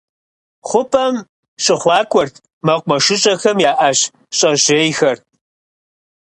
Хъупӏэм щыхъуакӏуэрт мэкъумэщыщIэхэм я ӏэщ щӏэжьейхэр.